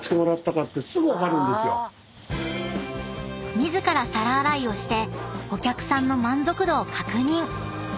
［自ら皿洗いをしてお客さんの満足度を確認］